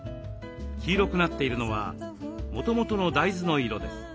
黄色くなっているのはもともとの大豆の色です。